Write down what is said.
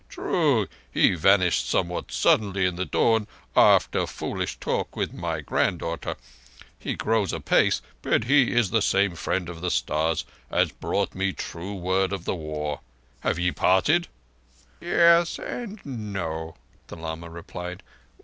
"True, he vanished somewhat suddenly in the dawn after foolish talk with my granddaughter. He grows apace, but he is the same Friend of the Stars as brought me true word of the war. Have ye parted?" "Yes—and no," the lama replied.